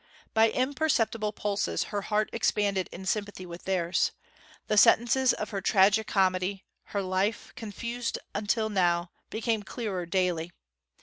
By imperceptible pulses her heart expanded in sympathy with theirs. The sentences of her tragi comedy, her life, confused till now, became clearer daily.